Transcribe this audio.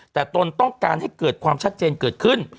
แต่ตนต้องการให้เกิดความชัดเจนเกิดขึ้น